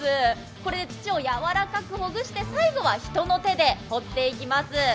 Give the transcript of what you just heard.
これで土をやわからくほぐして、最後は人の手で掘っていきます。